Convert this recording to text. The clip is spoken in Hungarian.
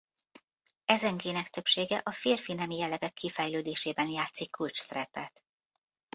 Ezen gének többsége a férfi nemi jellegek kifejlődésében játszik kulcsszerepet.